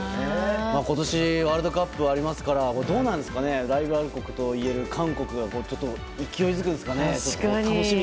今年ワールドカップありますからライバル国といえる韓国が勢いづくんですかね。